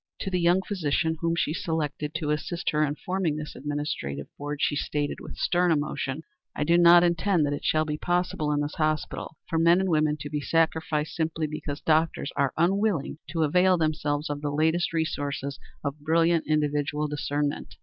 To the young physician whom she selected to assist her in forming this administrative board she stated, with stern emotion: "I do not intend that it shall be possible in this hospital for men and women to be sacrificed simply because doctors are unwilling to avail themselves of the latest resources of brilliant individual discernment.